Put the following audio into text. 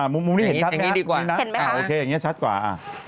มุมนี้เห็นชัดไหมครับอ่าโอเคอย่างนี้ชัดกว่า